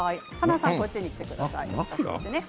塙さん、こっちに来てください。